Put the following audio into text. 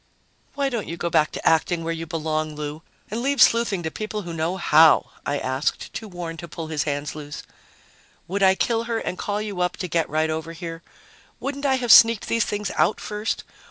"Why don't you go back to acting, where you belong, Lou, and leave sleuthing to people who know how?" I asked, too worn to pull his hands loose. "Would I kill her and call you up to get right over here? Wouldn't I have sneaked these things out first?